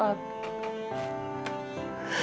aku tidak bisa membiayai perawat dan istri